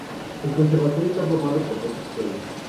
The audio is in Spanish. El conservatorio está formado por dos escuelas.